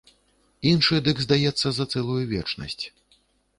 Іншы дык здаецца за цэлую вечнасць.